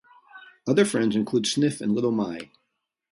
Other friends include Sniff and Little My.